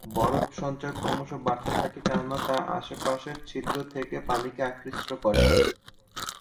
বরফ সঞ্চয় ক্রমশ বাড়তে থাকে কেননা তা আশপাশের ছিদ্র থেকে পানিকে আকৃষ্ট করে।